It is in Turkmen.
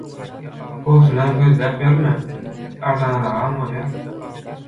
Gowsunam gözläp ýörme, arzanragam bolýa.